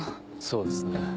そうですね。